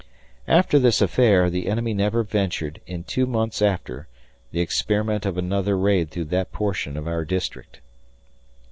After this affair the enemy never ventured, in two months after, the experiment of another raid through that portion of our district.